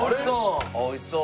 おいしそう。